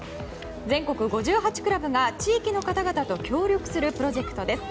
全国５８クラブが地域の方々と協力するプロジェクトです。